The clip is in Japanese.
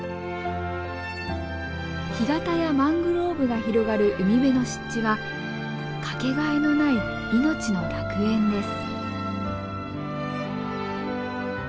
干潟やマングローブが広がる海辺の湿地はかけがえのない命の楽園です。